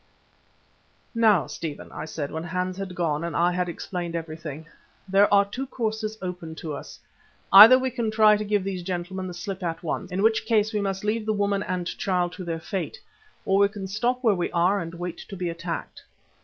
"Now, Stephen," I said when Hans had gone and I had explained everything, "there are two courses open to us. Either we can try to give these gentlemen the slip at once, in which case we must leave the woman and child to their fate, or we can stop where we are and wait to be attacked."